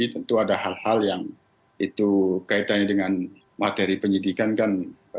tentu ada hal hal yang itu kaitannya dengan materi penyidikan kan